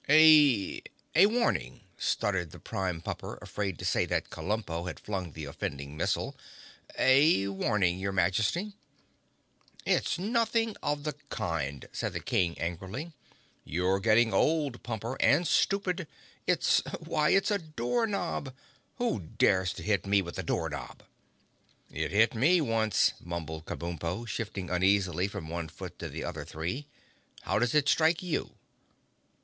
"A—a warning!" stuttered the Prime Pumper, afraid to say that Kabumpo had flung the offending missile. "A warning, your Majesty!" "It's nothing of the kind," said the King angrily. "You're getting old, Pumper and stupid. It's—why it's a door knob! Who dares to hit me with a door knob?" "It hit me once," mumbled Kabumpo, shifting uneasily from one foot to the other three. "How does it strike you?"